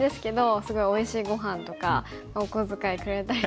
すごいおいしいごはんとかお小遣いくれたりとか。